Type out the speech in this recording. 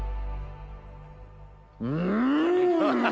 うん！